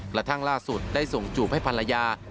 กระทั่งล่าสุดได้ส่งจูบให้ภรรยา